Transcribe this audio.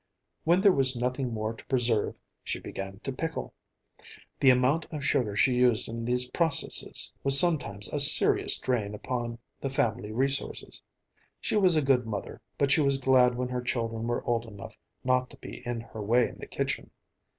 When there was nothing more to preserve, she began to pickle. The amount of sugar she used in these processes was sometimes a serious drain upon the family resources. She was a good mother, but she was glad when her children were old enough not to be in her way in the kitchen.